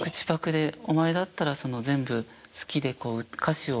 「お前だったら全部好きで歌詞を」。